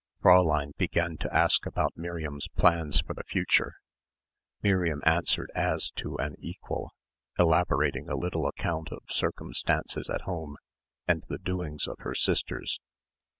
Fräulein began to ask about Miriam's plans for the future. Miriam answered as to an equal, elaborating a little account of circumstances at home, and the doings of her sisters.